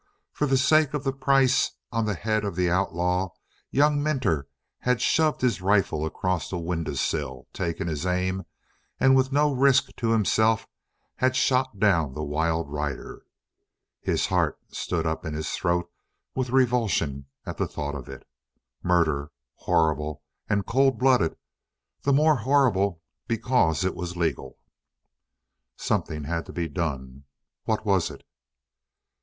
For the sake of the price on the head of the outlaw, young Minter had shoved his rifle across a window sill, taken his aim, and with no risk to himself had shot down the wild rider. His heart stood up in his throat with revulsion at the thought of it. Murder, horrible, and cold blooded, the more horrible because it was legal. Something had to be done. What was it?